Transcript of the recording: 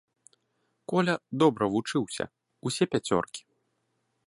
Коля добра вучыўся, усе пяцёркі.